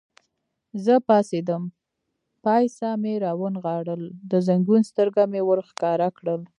زه پاڅېدم، پایڅه مې را ونغاړل، د زنګون سترګه مې ور ښکاره کړل.